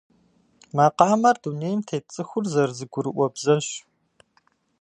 Макъамэр дунейм тет цӏыхур зэрызэгурыӏуэ бзэщ.